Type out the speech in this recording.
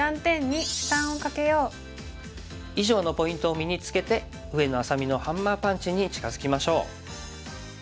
以上のポイントを身につけて上野愛咲美のハンマーパンチに近づきましょう。